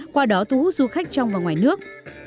qua đó thu hút du khách trong và ngoài nước